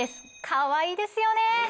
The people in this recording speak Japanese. かわいいですよね